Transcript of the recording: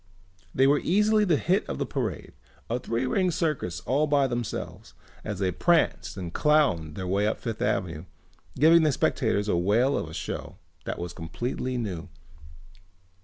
They were easily the hit of the parade, a three ring circus all by themselves, as they pranced and clowned their way up Fifth Avenue giving the spectators a whale of a show that was completely new.